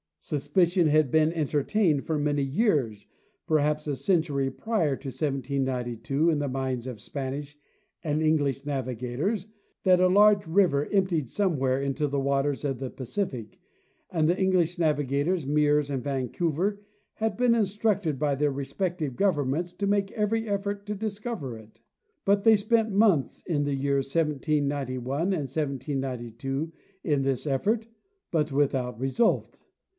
Suspicion had been entertained for many years, perhaps a century prior to 1792, in the minds of Spanish and English navigators that a large river emptied somewhere into the waters of the Pacific, and the English navigators Mears and Vancouver had been instructed by their respective governments to make every effort to discover it. They spent months in the years 1791 and 1792 in this effort, but without result.